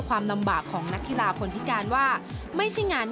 ความลำบากของนักกีฬาคนพิการว่า